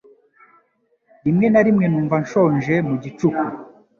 Rimwe na rimwe numva nshonje mu gicuku.